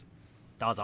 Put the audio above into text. どうぞ。